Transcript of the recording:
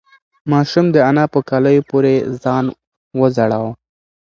ماشوم د انا په کالیو پورې ځان وځړاوه.